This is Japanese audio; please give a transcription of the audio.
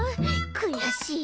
くやしい。